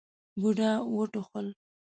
بوډا وټوخل.